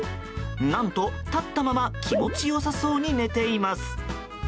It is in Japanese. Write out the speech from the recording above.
なんと、立ったまま気持ち良さそうに寝ています。